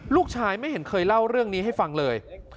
ลูกชายไม่เคยเล่าเรื่องนี้ให้ฟังเลย